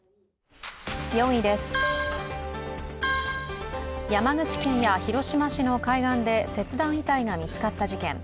４位です、山口県や広島市の海岸で切断遺体が見つかった事件。